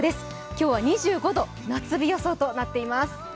今日は２５度、夏日予想となっています。